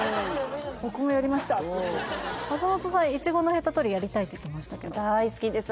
僕もやりましたって人いたら松本さんイチゴのヘタ取りやりたいって言ってましたけど大好きです